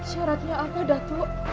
syaratnya apa dato